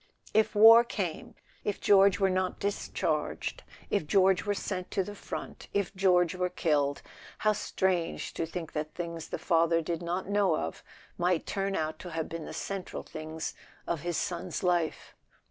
If war came, if George were not discharged, if George were sent to the front, if George were killed, how strange to think that things the father did not know of might turn out to have been the central things of his son's life!